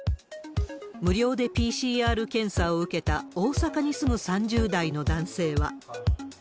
無料でＰＣＲ検査を受けた大阪に住む３０代の男性は。